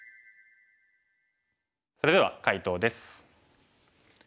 それでは解答です。